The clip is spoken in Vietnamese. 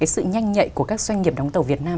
sự nhanh nhạy của các doanh nghiệp đóng tàu việt nam